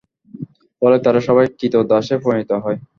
ফলে তারা সবাই ক্রীতদাসে পরিণত হয়।